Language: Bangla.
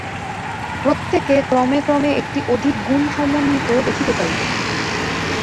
প্রত্যেকে ক্রমে ক্রমে একটি অধিক গুণ-সমন্বিত দেখিতে পাইল।